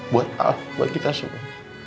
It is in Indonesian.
buat ahok buat kita semua